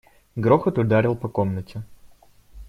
Грохот ударил по комнате.